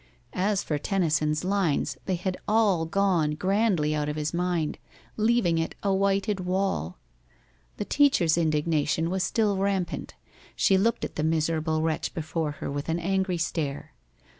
As for Tennyson's lines, they had all gone grandly out of his mind, leaving it a whited wall. The teacher's indignation was still rampant. She looked at the miserable wretch before her with an angry stare.